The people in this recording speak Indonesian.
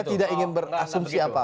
kita tidak ingin berasumsi apa apa